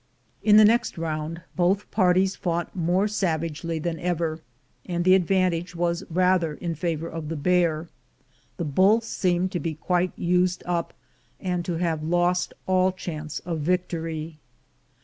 In the next round both parties fought more savagely than ever, and the advantage was rather in favor of the bear: the bull seemed to be quite used up, and to have lost all chance of victory.